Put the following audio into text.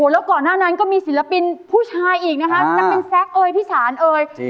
แล้วก่อนหน้านั้นก็มีศิลปินผู้ชายอีกนะคะจะเป็นแซคเอ๋ยพี่สานเอ่ย